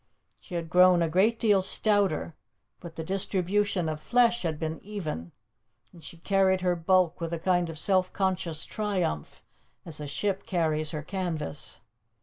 She had grown a great deal stouter, but the distribution of flesh had been even, and she carried her bulk with a kind of self conscious triumph, as a ship carries her canvas.